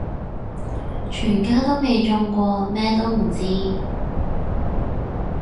全家都未中過咩都唔知